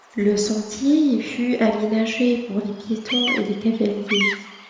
Le sentier y fut aménagé pour les piétons et les cavaliers.